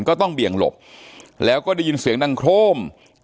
เบี่ยงหลบแล้วก็ได้ยินเสียงดังโครม